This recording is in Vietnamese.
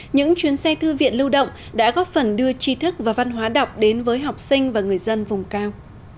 những chuyến xe thư viện lưu động đã góp phần đưa trí thức và văn hóa đọc đến với học sinh và người dân vùng cao